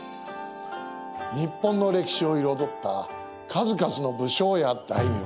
日本の歴史を彩った数々の武将や大名。